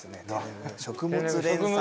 食物連鎖。